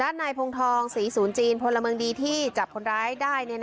ด้านในภูมิธองศีลสวนจีนพรเมิงดีที่จับคนร้ายได้